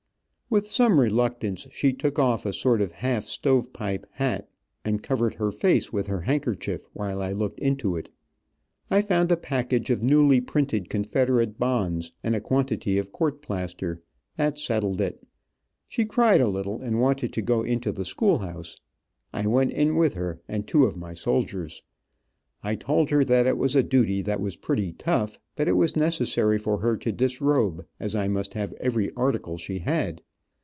With some reluctance she took off a sort of half stovepipe hat, and covered her face with her handkerchief while I looked into it. I found a package of newly printed confederate bonds, and a quantity of court plaster. That settled it. She cried a little, and wanted to go into the schoolhouse. I went in with her, and two of my soldiers. I told her that it was a duty that was pretty tough, but it was necessary for her to disrobe, as I must have every article she had.